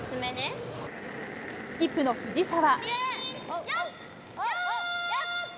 スキップの藤澤。